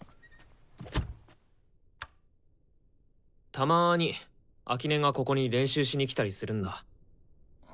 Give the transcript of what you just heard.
たまに秋音がここに練習しに来たりするんだ。